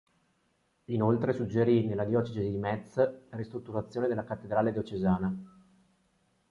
Inoltre suggerì, nella diocesi di Metz, la ristrutturazione della cattedrale diocesana.